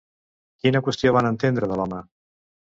Quina qüestió van entendre de l'home?